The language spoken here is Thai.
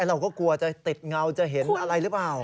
เราก็กลัวจะติดเงาจะเห็นอะไรหรือเปล่า